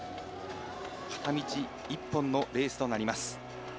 片道１本のレースとなります。